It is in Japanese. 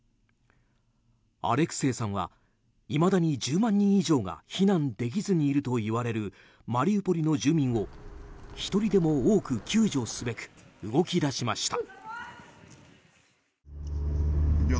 アレクセイさんはいまだに１０万人以上が避難できずにいるといわれるマリウポリの住民を１人でも多く救助すべく動き出しました。